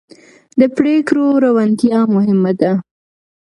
د پرېکړو روڼتیا مهمه ده